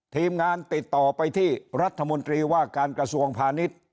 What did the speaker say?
ทีมงานติดต่อไปที่รัฐมนตรีว่าการกระทรวงพาณิชย์